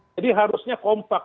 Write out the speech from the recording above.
jadi harusnya kompak